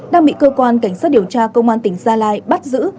đang bị cơ quan cảnh sát điều tra công an tỉnh gia lai bắt giữ